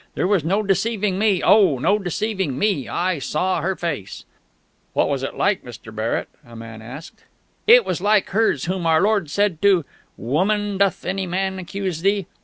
There was no deceiving me, oh, no deceiving me! I saw her face...." "What was it like, Mr. Barrett?" a man asked. "It was like hers whom our Lord said to, 'Woman, doth any man accuse thee?'